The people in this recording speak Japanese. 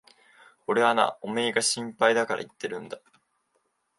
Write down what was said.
俺はな、おめえが心配だから言ってるんだ。